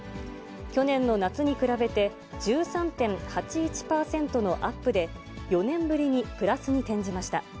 去年の夏に比べて、１３．８１％のアップで、４年ぶりにプラスに転じました。